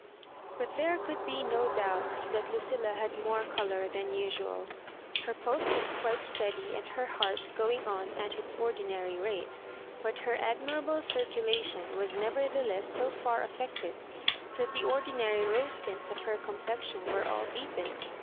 But there could be no doubt that Lucilla had more colour than usual. Her pulse was quite steady, and her heart going on at its ordinary rate; but her admirable circulation was never theless so far affected, that the ordinary rose tinis of her complexion were all deepened.